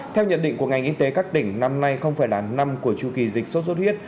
theo nhận định của ngành y tế các tỉnh năm nay không phải là năm của chu kỳ dịch số số thiết